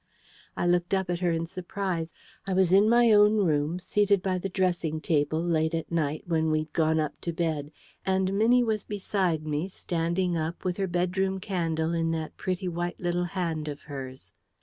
I looked up at her in surprise. I was in my own room, seated by the dressing table, late at night, when we'd gone up to bed; and Minnie was beside me, standing up, with her bedroom candle in that pretty white little hand of hers.